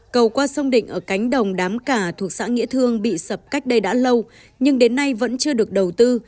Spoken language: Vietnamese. cầu qua sông định ở cánh đồng đám cà thuộc xã nghĩa thương bị sập cách đây đã lâu nhưng đến nay vẫn chưa được đầu tư